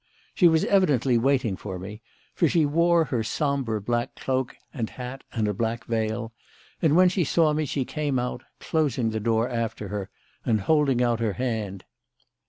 She was evidently waiting for me, for she wore her sombre black cloak and hat and a black veil, and when she saw me she came out, closing the door after her and holding out her hand.